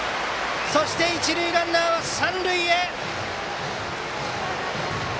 そして、一塁ランナーは三塁へ！